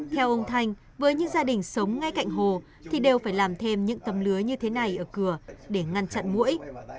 theo ông thanh với những gia đình sống ngay cạnh hồ thì đều phải làm thêm những tấm lưới như thế này ở cửa để ngăn chặn mũi